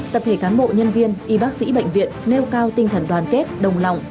tập thể cán bộ nhân viên y bác sĩ bệnh viện nêu cao tinh thần đoàn kết đồng lòng